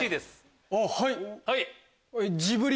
はい！